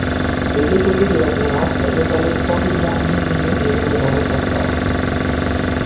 Des deux côtés de la terrasse, le palais splendidement illuminé et résonnant de fanfares.